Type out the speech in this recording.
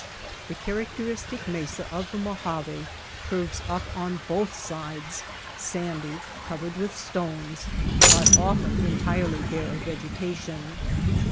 The charac teristic mesa of the Mojave curves up on both sides, sandy, covered with stones, but often en tirely bare of vegetation.